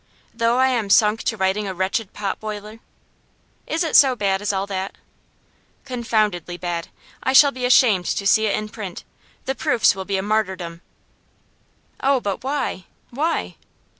'Though I am sunk to writing a wretched pot boiler?' 'Is it so bad as all that?' 'Confoundedly bad. I shall be ashamed to see it in print; the proofs will be a martyrdom.' 'Oh, but why? why?